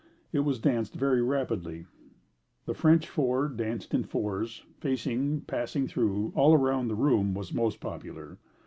It was danced very rapidly. The French four, danced in fours, facing, passing through, all around the room, was most popular.